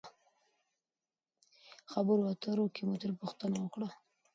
خبرو اترو کښې مو ترې پوښتنه وکړه